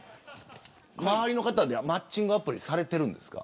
周りの方はマッチングアプリされているんですか。